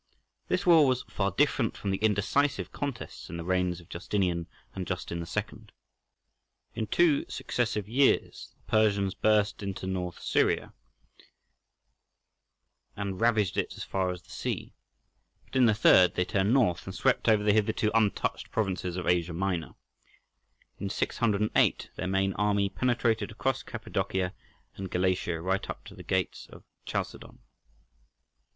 This war was far different from the indecisive contests in the reigns of Justinian and Justin II. In two successive years the Persians burst into North Syria and ravaged it as far as the sea; but in the third they turned north and swept over the hitherto untouched provinces of Asia Minor. In 608 their main army penetrated across Cappadocia and Galatia right up to the gates of Chalcedon.